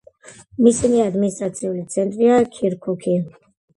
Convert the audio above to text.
მისი ადმინისტრაციული ცენტრია ქირქუქი.